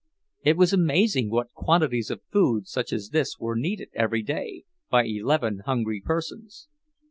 It was amazing what quantities of food such as this were needed every day, by eleven hungry persons.